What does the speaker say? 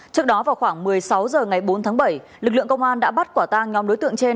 trước đó vào khoảng một mươi sáu h ngày bốn tháng bảy lực lượng công an đã bắt quả tang nhóm đối tượng trên